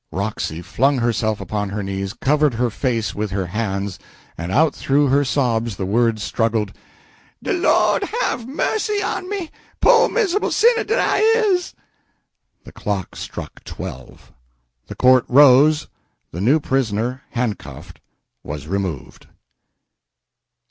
Roxy flung herself upon her knees, covered her face with her hands, and out through her sobs the words struggled "De Lord have mercy on me, po' misable sinner dat I is!" The clock struck twelve. The court rose; the new prisoner, handcuffed, was removed.